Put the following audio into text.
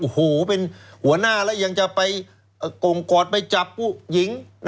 โอ้โหเป็นหัวหน้าแล้วยังจะไปกงกอดไปจับผู้หญิง